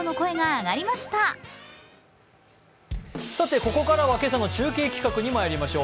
ここからは今朝の中継企画にまいりましょう。